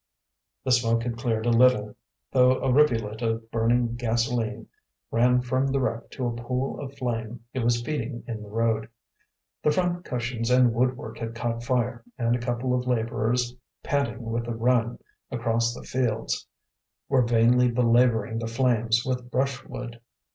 The smoke had cleared a little, though a rivulet of burning gasoline ran from the wreck to a pool of flame it was feeding in the road. The front cushions and woodwork had caught fire and a couple of labourers, panting with the run across the fields, were vainly belabouring the flames with brushwood.